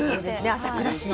朝倉市の。